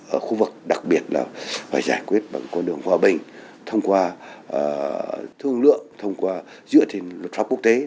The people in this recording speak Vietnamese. ở khu vực đặc biệt là phải giải quyết bằng con đường hòa bình thông qua thương lượng thông qua dựa trên luật pháp quốc tế